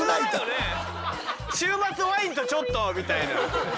週末ワインとちょっとみたいな。